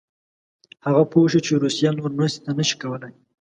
هغه پوه شو چې روسیه نور مرستې نه شي کولای.